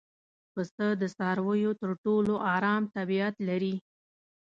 پسه د څارویو تر ټولو ارام طبیعت لري.